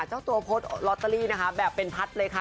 เจ้าตัวโพสต์ลอตเตอรี่นะคะแบบเป็นพัดเลยค่ะ